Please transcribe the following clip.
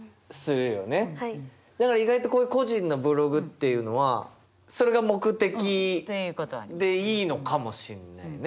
だから意外とこういう個人のブログっていうのはそれが目的でいいのかもしんないね。